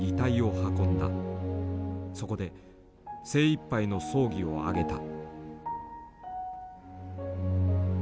そこで精いっぱいの葬儀をあげた。